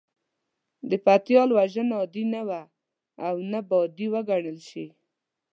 د پتيال وژنه عادي نه وه او نه به عادي وګڼل شي.